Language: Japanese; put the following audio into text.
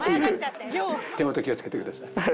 手元気を付けてください。